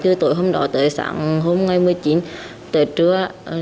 thì tôi hôm đó tới sáng hôm ngày một mươi chín tới trưa